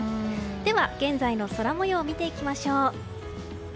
では現在の空模様を見ていきましょう。